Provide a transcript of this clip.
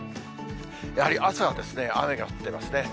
やはり朝は雨が降ってますね。